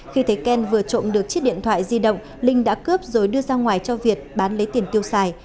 khi thấy ken vừa trộm được chiếc điện thoại di động linh đã cướp rồi đưa ra ngoài cho việt bán lấy tiền tiêu xài